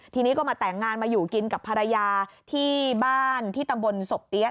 ทีนี้ก็มาแต่งงานมาอยู่กินกับภรรยาที่บ้านที่ตำบลศพเตี้ย